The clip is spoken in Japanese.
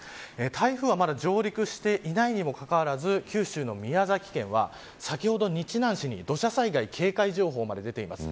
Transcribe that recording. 台風は、まだ上陸していないにもかかわらず九州の宮崎県は先ほど、日南市に土砂災害警戒情報が出ています。